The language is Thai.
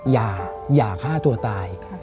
อย่าอย่าฆ่าตัวตาย